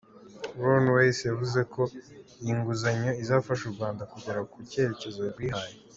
Ron Weiss, yavuze ko iyi nguzanyo izafasha u Rwanda kugera ku cyerekezo rwihaye.